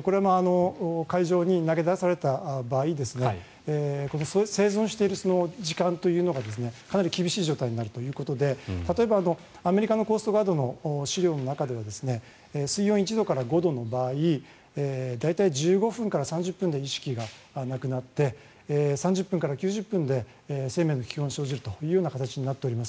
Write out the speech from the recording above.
これも海上に投げ出された場合生存している時間というのがかなり厳しい状態になるということで例えばアメリカのコーストガードの資料の中では水温１度から５度の場合大体１５分から３０分で意識がなくなって３０分から９０分で生命の危険が生じるとなっています。